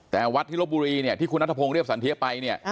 แต่วัดที่ลบบุรีเนี่ยที่คุณนัทพงศ์เรียบสันเทียไปเนี่ย